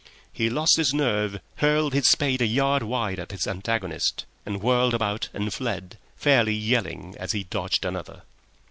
He lost his nerve, hurled his spade a yard wide of this antagonist, and whirled about and fled, fairly yelling as he dodged another.